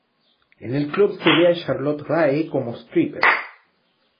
En el club se ve a Charlotte Rae como Stripper.